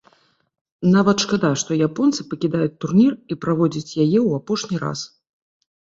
Нават шкада, што японцы пакідаюць турнір і праводзяць яе ў апошні раз.